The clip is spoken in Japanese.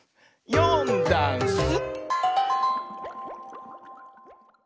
「よんだんす」